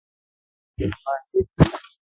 د احمد ماشومان ډېر دي